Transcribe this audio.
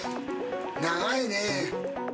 長いね。